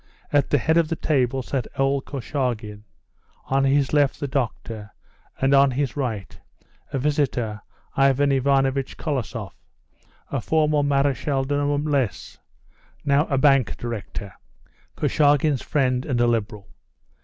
At the head of the table sat old Korchagin; on his left the doctor, and on his right, a visitor, Ivan Ivanovitch Kolosoff, a former Marechal de Noblesse, now a bank director, Korchagin's friend and a Liberal.